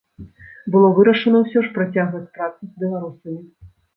Было вырашана ўсё ж працягваць працу з беларусамі.